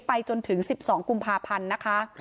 ไปจนถึง๑๒กุมภาพันธ์นะคะ